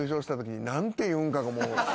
何て言うんかがもう。